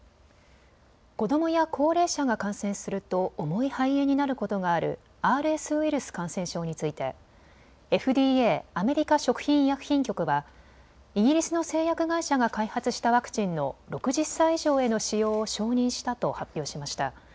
子どもや高齢者が感染すると重い肺炎になることがあるＲＳウイルス感染症についてＦＤＡ・アメリカ食品医薬品局はイギリスの製薬会社が開発したワクチンの６０歳以上への使用を承認したと発表しました。